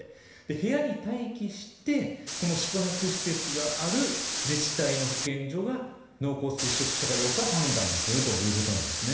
部屋に待機して宿泊施設がある自治体の保健所が濃厚接触者かどうか判断するということなんですね。